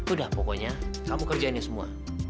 udah pokoknya kamu kerjainnya semua